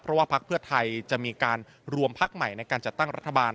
เพราะว่าพักเพื่อไทยจะมีการรวมพักใหม่ในการจัดตั้งรัฐบาล